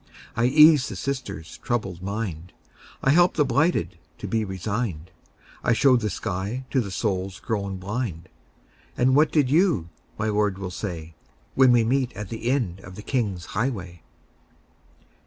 I eased the sister's troubled mind; I helped the blighted to be resigned; I showed the sky to the souls grown blind. And what did you?' my Lord will say, When we meet at the end of the King's highway."